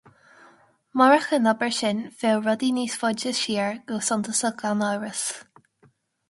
Murach an obair sin bheadh rudaí níos faide siar go suntasach gan amhras